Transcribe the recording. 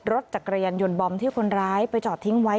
รถจักรยานยนต์บอมที่คนร้ายไปจอดทิ้งไว้